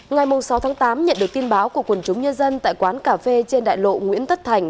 ngày sáu tháng tám nhận được tin báo của quần chúng nhân dân tại quán cà phê trên đại lộ nguyễn tất thành